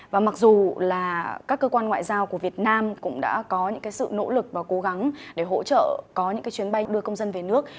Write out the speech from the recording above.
và mặc dù là các cơ quan ngoại giao của việt nam cũng đã có những cái sự nỗ lực và cố gắng để hỗ trợ có những chuyến bay đưa công dân về nước